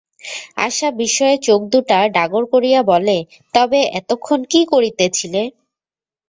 আশা বিস্ময়ে চোখদুটা ডাগর করিয়া বলে, তবে এতক্ষণ কী করিতেছিলে।